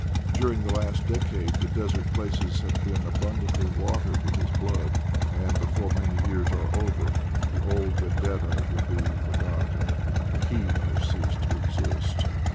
During the last decade the desert places have been abundantly watered with his blood, and, before many years are over, the old vendetta will be forgotten, for he will have ceased to exist.